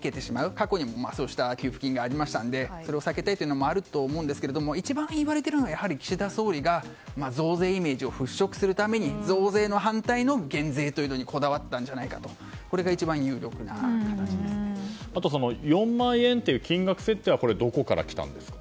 過去にもそうした給付金がありますのでそれを避けたいというのもあると思うんですが一番言われているのが岸田総理が増税イメージを払拭するために増税の反対の減税というのにあと、４万円という金額設定はどこから来たんですか？